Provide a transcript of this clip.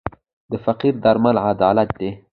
د فقر درمل عدالت دی.